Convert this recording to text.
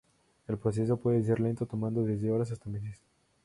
El proceso puede ser lento, tomando desde horas hasta meses.